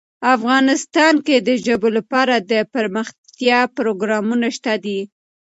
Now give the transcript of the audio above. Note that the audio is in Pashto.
افغانستان کې د ژبو لپاره دپرمختیا پروګرامونه شته دي.